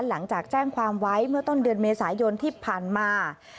หลังจากแจ้งความไว้เมื่อต้นเดือนเมษายนที่ผ่านมา